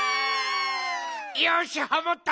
よしハモった！